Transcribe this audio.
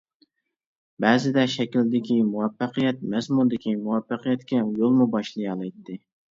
بەزىدە شەكىلدىكى مۇۋەپپەقىيەت مەزمۇندىكى مۇۋەپپەقىيەتكە يولمۇ باشلىيالايتتى.